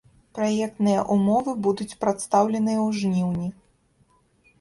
Праектныя ўмовы будуць прадстаўленыя ў жніўні.